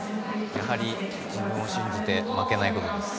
やはり自分を信じて負けないことです。